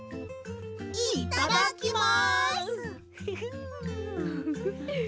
いっただきます！